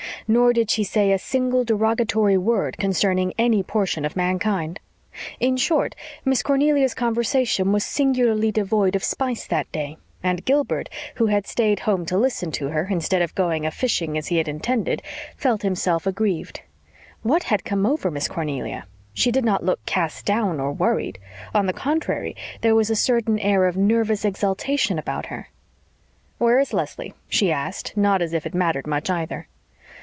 Nor did she say a single derogatory word concerning any portion of mankind. In short, Miss Cornelia's conversation was singularly devoid of spice that day, and Gilbert, who had stayed home to listen to her, instead of going a fishing, as he had intended, felt himself aggrieved. What had come over Miss Cornelia? She did not look cast down or worried. On the contrary, there was a certain air of nervous exultation about her. "Where is Leslie?" she asked not as if it mattered much either.